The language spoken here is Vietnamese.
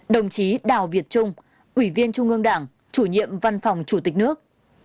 hai mươi tám đồng chí đào việt trung ủy viên trung ương đảng chủ nhiệm văn phòng chủ tịch nước